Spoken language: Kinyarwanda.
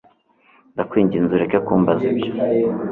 Ndakwinginze ureke kumbaza ibyo